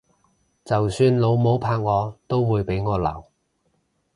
就算老母拍我都會俾我鬧！